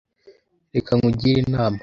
Reka nkugire inama.